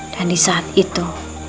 dan disaat itu